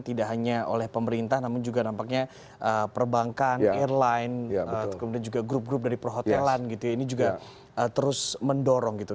tidak hanya oleh pemerintah namun juga nampaknya perbankan airline kemudian juga grup grup dari perhotelan gitu ya ini juga terus mendorong gitu